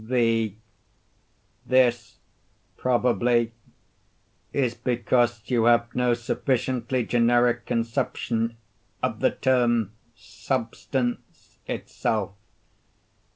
V. This, probably, is because you have no sufficiently generic conception of the term "substance" itself.